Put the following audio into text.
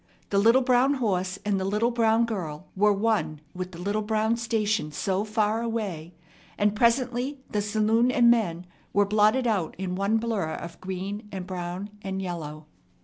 The little brown horse and the little brown girl were one with the little brown station so far away, and presently the saloon and men were blotted out in one blur of green and brown and yellow.